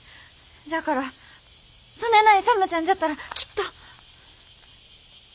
じゃあからそねえな勇ちゃんじゃったらきっと。